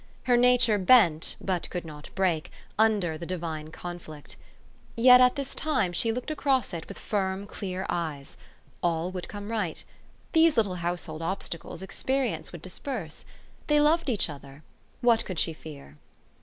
Her nature bent, but could not break, under the divine conflict. Yet at this time she looked across it with firm, clear e3 T es. All would come right. These little household obsta cles, experience would disperse. They loved each other, what could she fear